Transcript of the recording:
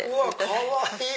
かわいい！